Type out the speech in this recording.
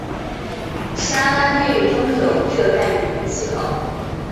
砂拉越拥有热带雨林气候。